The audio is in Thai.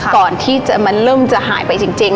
ก่อนที่มันเริ่มจะหายไปจริง